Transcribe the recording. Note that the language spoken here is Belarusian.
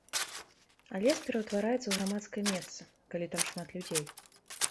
А лес пераўтвараецца ў грамадскае месца, калі там шмат людзей.